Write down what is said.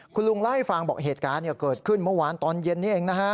คุณลุงเล่าให้ฟังบอกเหตุการณ์เกิดขึ้นเมื่อวานตอนเย็นนี้เองนะฮะ